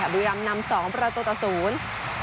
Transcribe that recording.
บริรัมย์นำ๒ประตูตะศูนย์